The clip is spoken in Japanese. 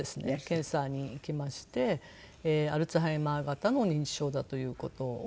検査に行きましてアルツハイマー型の認知症だという事を診断されて。